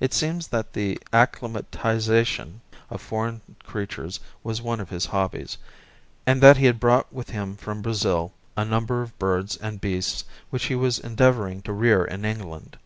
It seems that the acclimatization of foreign creatures was one of his hobbies, and that he had brought with him from Brazil a number of birds and beasts which he was endeavouring to rear in England.